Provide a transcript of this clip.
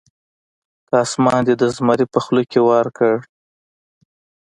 که اسمان دې د زمري په خوله کې هم درکړي.